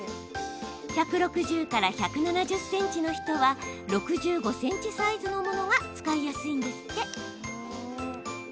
１６０から１７０ｃｍの人は６５ｃｍサイズのものが使いやすいんですって。